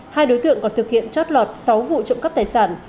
hai đối tượng còn thực hiện trót lọt sáu vụ trộm cấp tài sản